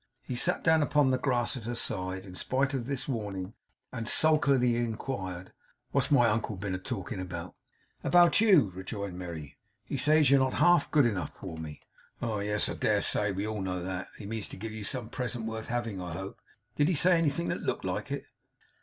He sat down upon the grass at her side, in spite of this warning, and sulkily inquired: 'What's my uncle been a talking about?' 'About you,' rejoined Merry. 'He says you're not half good enough for me.' 'Oh, yes, I dare say! We all know that. He means to give you some present worth having, I hope. Did he say anything that looked like it?